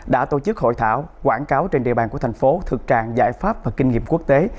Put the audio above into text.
đã tổ chức hội thảo quảng cáo trên địa bàn của thành phố thực trạng giải pháp và kinh nghiệm quốc tế